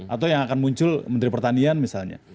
atau yang akan muncul menteri pertanian misalnya